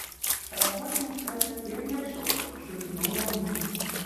Работніца, як мяшок, шуснула ўніз.